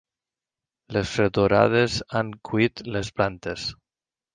Les fredorades han cuit les plantes.